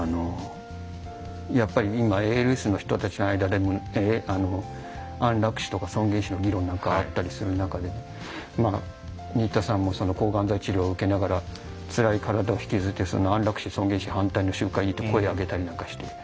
やっぱり今ＡＬＳの人たちの間でも安楽死とか尊厳死の議論なんかがあったりする中で新田さんも抗がん剤治療を受けながらつらい体を引きずって安楽死尊厳死反対の集会に行って声を上げたりなんかして。